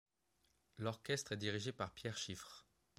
L'orchestre est dirigé par Pierre Chiffre.